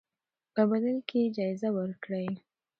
په بدل کې یې جایزه ورکړئ.